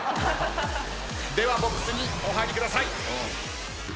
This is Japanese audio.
ではボックスにお入りください。